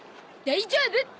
大丈夫！